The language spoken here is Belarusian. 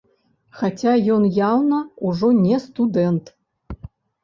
Хаця ён яўна ўжо не студэнт.